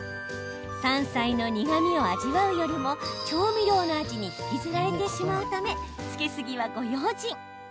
山菜の苦みを味わうよりも調味料の味に引きずられてしまうためつけ過ぎはご用心。